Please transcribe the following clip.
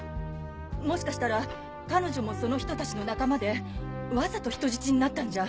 もしかしたら彼女もその人たちの仲間でわざと人質になったんじゃ。